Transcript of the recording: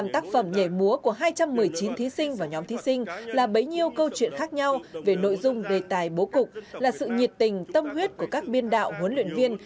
một mươi tác phẩm nhảy múa của hai trăm một mươi chín thí sinh và nhóm thí sinh là bấy nhiêu câu chuyện khác nhau về nội dung đề tài bố cục là sự nhiệt tình tâm huyết của các biên đạo huấn luyện viên